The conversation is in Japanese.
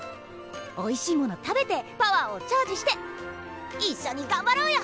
おいしいもの食べてパワーをチャージして一緒に頑張ろうよ。